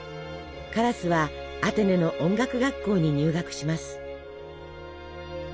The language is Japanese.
カラスはアテネの音楽学校に入学します。